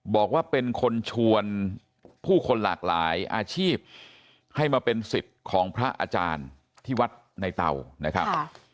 บอกว่าเป็นคนชวนผู้คนหลากหลายอาชีพให้มาเป็นสิทธิ์ของพระอาจารย์ที่วัดในเตานะครับ